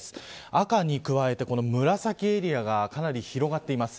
赤に加えて、紫エリアがかなり広がっています。